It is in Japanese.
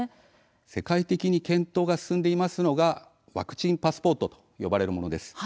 世界的に検討が進んでいますのがワクチンパスポートと呼ばれるものです。